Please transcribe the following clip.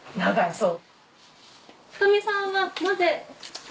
そう。